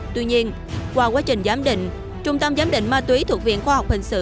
tuy nhiên qua quá trình giám định trung tâm giám định ma túy thuộc viện khoa học hình sự